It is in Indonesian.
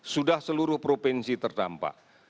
sudah seluruh provinsi terdampak